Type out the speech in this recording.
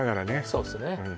そうですね